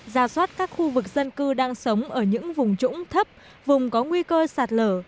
ra soát các khu vực dân cư đang sống ở những vùng trũng thấp vùng có nguy cơ sạt lở